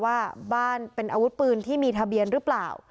ว่าบ้านเป็นอาวุธปืนที่มีทะเบียนหรือเปล่า